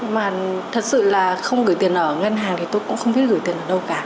mà thật sự là không gửi tiền ở ngân hàng thì tôi cũng không biết gửi tiền ở đâu cả